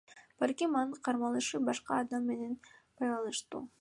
Балким, анын кармалышы башка адам менен байланыштуу.